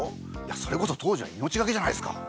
それこそ当時は命がけじゃないすか。